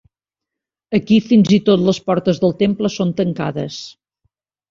Aquí fins i tot les portes del temple són tancades.